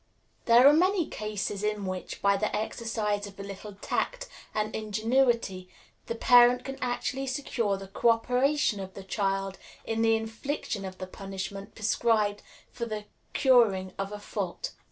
There are many cases in which, by the exercise of a little tact and ingenuity, the parent can actually secure the co operation of the child in the infliction of the punishment prescribed for the curing of a fault.